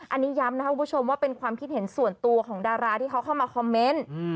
อันนี้ย้ำนะครับคุณผู้ชมว่าเป็นความคิดเห็นส่วนตัวของดาราที่เขาเข้ามาคอมเมนต์